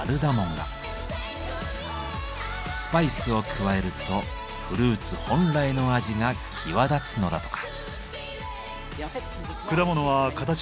スパイスを加えるとフルーツ本来の味が際立つのだとか。